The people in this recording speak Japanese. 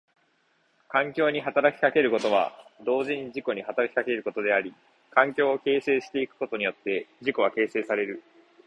環境に働きかけることは同時に自己に働きかけることであり、環境を形成してゆくことによって自己は形成される。